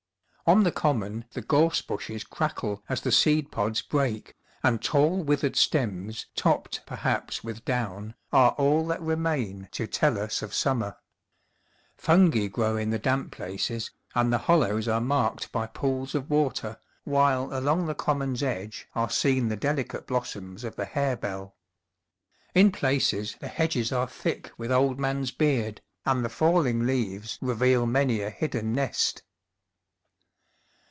On the common the gorse bushes crackle as the seed pods break, and tall withered stems, topped, perhaps, with down, are all that remain to tell us of summer. Fungi grow in the damp places, and the hollows are marked by pools of water, while along the common's edge are seen the delicate blossoms of the harebell. In places the hedges are thick with old man's beard, and the falling leaves reveal many a hidden nest.